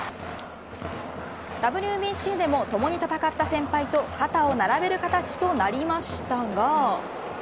ＷＢＣでも、ともに戦った先輩と肩を並べる形となりましたが。